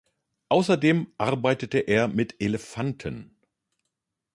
Außerdem arbeitete er mit Elefanten.